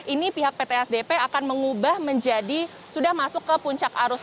ini pihak ptsdp akan mengubah menjadi sudah masuk ke puncak arus mudik